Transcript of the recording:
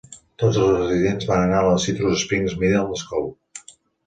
Tots els residents van a la Citrus Springs Middle School.